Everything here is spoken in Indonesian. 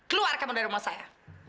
keluar kamu dari rumah saya